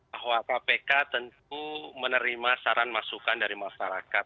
bahwa kpk tentu menerima saran masukan dari masyarakat